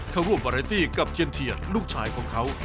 เข้าร่วมปาเรตี้กับเจียนเทียดลูกชายของเขา